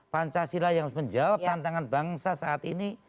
pancasila yang harus menjawab tantangan bangsa saat ini